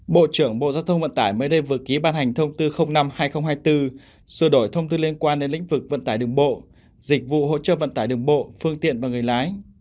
bộ trưởng bộ giao thông vận tải mới đây vừa ký ban hành thông tư năm hai nghìn hai mươi bốn sửa đổi thông tư liên quan đến lĩnh vực vận tải đường bộ dịch vụ hỗ trợ vận tải đường bộ phương tiện và người lái